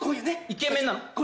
イケメンなの？